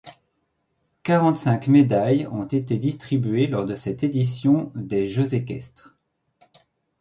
Quarante-cinq médailles ont été distribuées lors de cette édition des Jeux équestres.